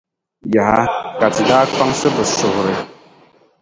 Yaha! Ka ti daa kpaŋsi bɛ suhiri.